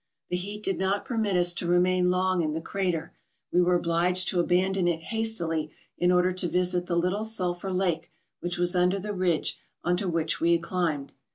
The heat did not permit us to remain long in the crater; we were obliged to abandon it hastily in order to visit the little sulphur lake which was under the ridge on to which we had climbed.